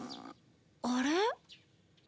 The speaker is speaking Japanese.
あれ？